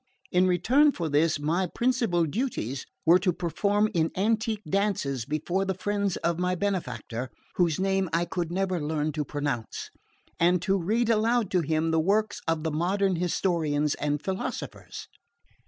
In return for this, my principal duties were to perform in antique dances before the friends of my benefactor whose name I could never learn to pronounce and to read aloud to him the works of the modern historians and philosophers.